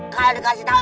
kalo dikasih tau